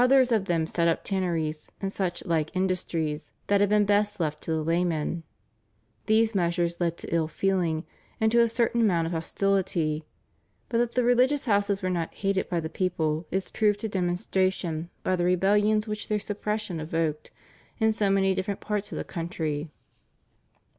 Others of them set up tanneries and such like industries that had been best left to the laymen. These measures led to ill feeling and to a certain amount of hostility, but that the religious houses were not hated by the people is proved to demonstration by the rebellions which their suppression evoked in so many different parts of the country.